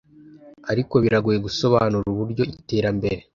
Ariko biragoye gusobanura uburyo iterambere